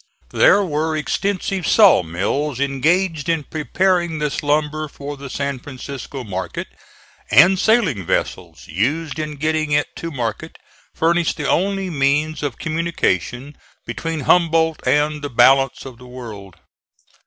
There were extensive saw mills engaged in preparing this lumber for the San Francisco market, and sailing vessels, used in getting it to market, furnished the only means of communication between Humboldt and the balance of the world.